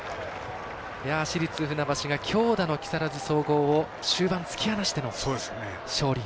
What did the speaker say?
市立船橋が強打の木更津総合を終盤、突き放しての勝利。